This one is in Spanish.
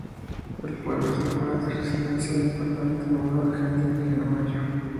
El pueblo es lugar de residencia de un importante número de gente indígena mayo.